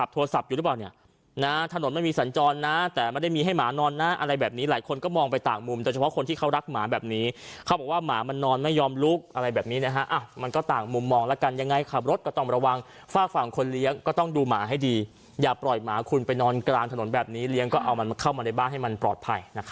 โทรศัพท์อยู่หรือเปล่าถนนไม่มีสัญจรนะแต่ไม่ได้มีให้หมานอนนะอะไรแบบนี้หลายคนก็มองไปต่างมุมโดยเฉพาะคนที่เขารักหมาแบบนี้เขาบอกว่าหมามันนอนไม่ยอมลุกอะไรแบบนี้มันก็ต่างมุมมองแล้วกันยังไงขับรถก็ต้องระวังฝากฝั่งคนเลี้ยงก็ต้องดูหมาให้ดีอย่าปล่อยหมาคุณไปนอนกลางถนนแบบนี้เลี้ยงก็เอามันเข้ามาในบ้านให้มันปลอดภัย